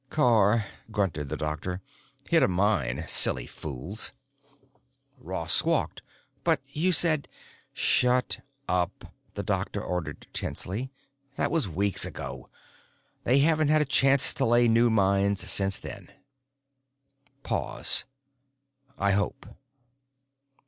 "Car," grunted the doctor. "Hit a mine. Silly fools!" Ross squawked, "But you said——" "Shut up," the doctor ordered tensely. "That was weeks ago; they haven't had a chance to lay new mines since then." Pause. "I hope."